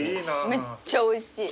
めっちゃおいしい。